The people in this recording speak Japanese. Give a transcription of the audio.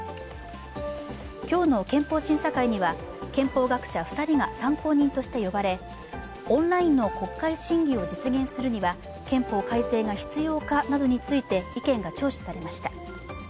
今日の憲法審査会には、憲法学者２人が参考人として呼ばれ、オンラインの国会審議を実現するには憲法改正が必要かなどについて意見が聴取されました。